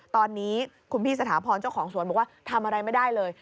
ตอนนี้คุณพี่สถาพรเจ้าของสวนบอกว่าทำอะไรไม่ได้เลย